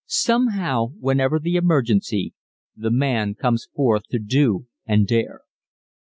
Somehow, whenever the emergency, the man comes forth to do and dare.